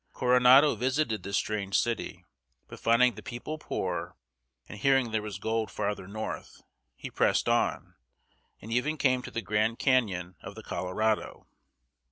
Coronado visited this strange city, but finding the people poor, and hearing there was gold farther north, he pressed on, and even came to the Grand Canyon of the Col o ra´do.